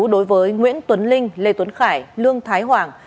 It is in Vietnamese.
đối với nguyễn tuấn linh lê tuấn khải lương thái hoàng